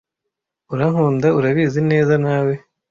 urankunda urabizi neza nawe